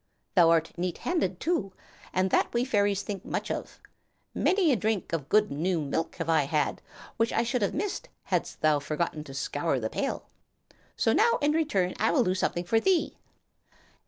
Thou art neat handed, too, and that we fairies think much of. Many a drink of good new milk have I had, which I should have missed hadst thou forgotten to scour the pail. So now in return I will do something for thee.